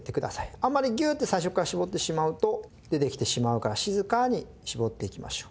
あんまりギューッて最初から絞ってしまうと出てきてしまうから静かに絞っていきましょう。